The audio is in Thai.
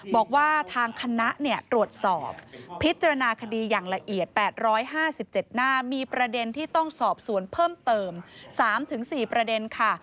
บอกว่าทางคณะเนี่ยตรวจสอบพิจารณาคดีอย่างละเอียดแปดร้อยห้าสิบเจ็ดหน้ามีประเด็นที่ต้องทรวจส่อมส่วนเพิ่มเติมสามถึงสี่ประเด็นค่ะ